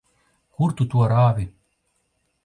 Kur tu to rāvi?